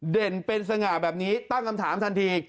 เด่นเป็นสง่าแบบนี้ตั้งคำถามทันที